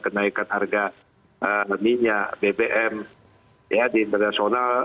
kenaikan harga minyak bbm di internasional